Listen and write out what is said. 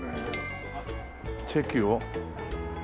チェキを。